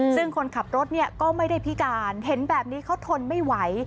ซึ่งคนขับรถเนี่ยก็ไม่ได้พิการเห็นแบบนี้เขาทนไม่ไหว